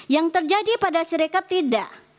yang terjadi pada sirekat tidak